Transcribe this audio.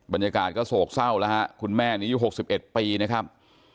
บรรยากาศก็โศกเศร้าแล้วฮะคุณแม่นี้อายุ๖๑ปีนะครับ